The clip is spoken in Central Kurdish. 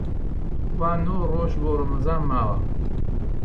وا نۆ ڕۆژ بۆ ڕەمەزان ماوە